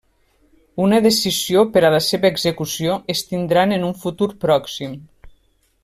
Una decisió per a la seva execució es tindran en un futur pròxim.